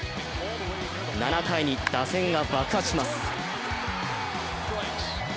７回に打線が爆発します。